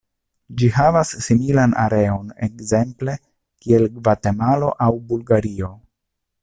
Ĝi havas similan areon ekzemple kiel Gvatemalo aŭ Bulgario.